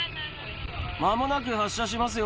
まもなく発車しますよ。